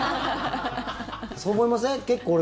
そう思いません？